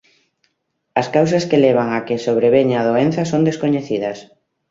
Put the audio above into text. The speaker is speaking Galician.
As causas que levan a que sobreveña a doenza son descoñecidas.